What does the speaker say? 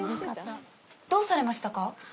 どうされましたか？